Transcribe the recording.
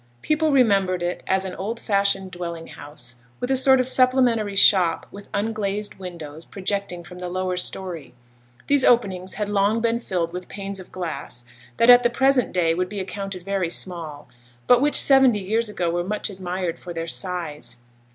People remembered it as an old fashioned dwelling house, with a sort of supplementary shop with unglazed windows projecting from the lower story. These openings had long been filled with panes of glass that at the present day would be accounted very small, but which seventy years ago were much admired for their size.